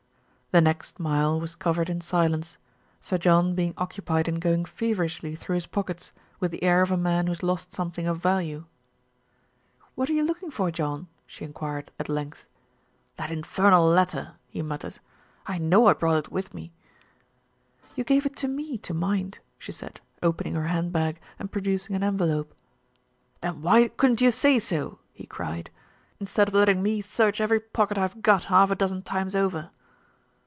The next mile was covered in silence, Sir John being occupied in going feverishly through his pockets, with the air of a man who has lost something of value. THE UNMASKING OF SMITH 317 "What are you looking for, John?" she enquired, at length. "That infernal letter!" he muttered. "I know I brought it with me." "You gave it to me to mind," she said, opening her hand bag and producing an envelope. "Then why couldn't you say so?" he cried. "In stead of letting me search every pocket I've got half a dozen times over."